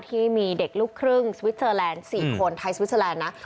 ที่มีเด็กลูกครึ่งสวิสเตอร์แลนด์๔คนไทยสวิสเตอร์แลนด์นะ